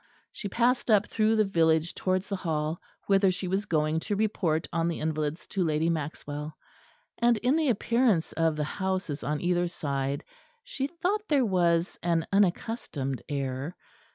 She passed up through the village towards the Hall, whither she was going to report on the invalids to Lady Maxwell; and in the appearance of the houses on either side she thought there was an unaccustomed air.